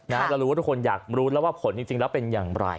เรารู้ว่าทุกคนอยากรู้แล้วว่าผลจริงแล้วเป็นอย่างไร